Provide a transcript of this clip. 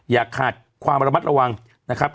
อย่าขาดความระมัดระวังนะครับ